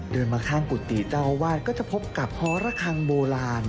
เดินมาข้างกุฏิเจ้าวาดก็จะพบกับฮระคังโบราณ